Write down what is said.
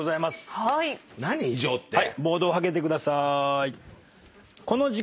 ボードをはけてくださーい。